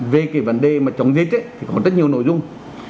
về cái vấn đề mà chống dịch thì có rất nhiều nội dung